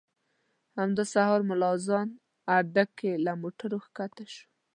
همدا سهار ملا اذان اډه کې له موټره ښکته شوم.